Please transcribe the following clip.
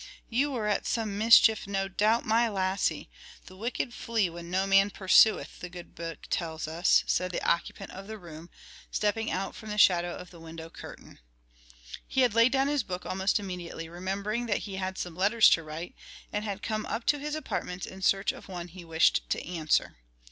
you were at some mischief, no doubt, my lassie. 'The wicked flee when no man pursueth,' the good Book tells us," said the occupant of the room, stepping out from the shadow of the window curtain. He had laid down his book almost immediately, remembering that he had some letters to write, and had come up to his apartments in search of one he wished to answer.